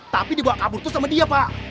tapi dibawa kabur tuh sama dia pak